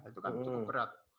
itu kan cukup berat